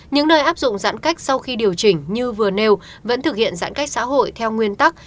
những nơi áp dụng giãn cách sau khi điều chỉnh như vừa nêu vẫn thực hiện giãn cách xã hội theo nguyên tắc